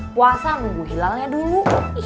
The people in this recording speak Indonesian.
puasa nunggu hilalnya dulu